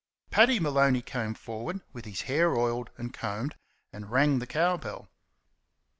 Paddy Maloney came forward with his hair oiled and combed, and rang the cow bell.